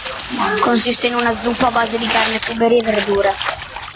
Consiste in una zuppa a base di carne, tuberi e verdure.